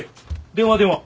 電話電話。